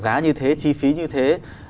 giá như thế chi phí như thế